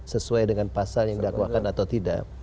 sesuai dengan pasal yang didakwakan atau tidak